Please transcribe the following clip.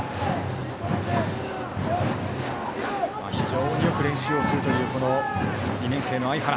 非常によく練習をするという２年生の相原。